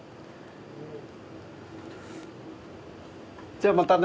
じゃあまたね。